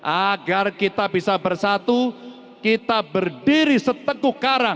agar kita bisa bersatu kita berdiri seteguh karang